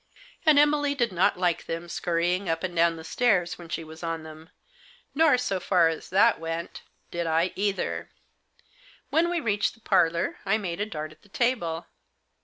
And Emily did not like them scurrying up and down the stairs when she was on them ; nor, so far as that went, did I either. When we reached the parlour, I made a dart at the table.